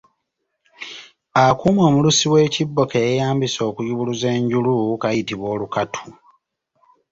Akuuma omulusi w'ekibbo ke yeeyambisa okuyubuluza enjulu kayitibwa Olukatu.